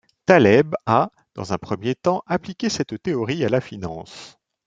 Taleb a, dans un premier temps, appliqué cette théorie à la finance.